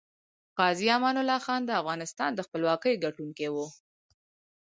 غازي امان الله خان دافغانستان دخپلواکۍ ګټونکی وه